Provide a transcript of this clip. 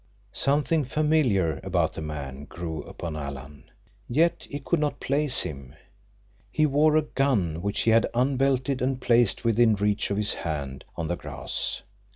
Something familiar about the man grew upon Alan. Yet he could not place him. He wore a gun, which he had unbelted and placed within reach of his hand on the grass.